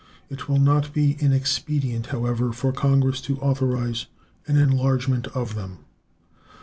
It will not be inexpedient, however, for Congress to authorize an enlargement of them.